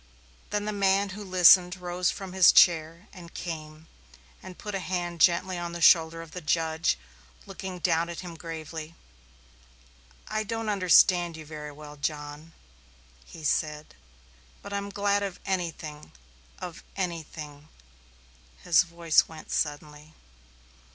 Then the man who listened rose from his chair and came and put a hand gently on the shoulder of the judge, looking down at him gravely. "I don't understand you very well, John," he said, "but I'm glad of anything of anything" his voice went suddenly.